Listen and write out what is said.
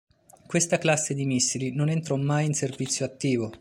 Questa classe di missili non entrò mai in servizio attivo.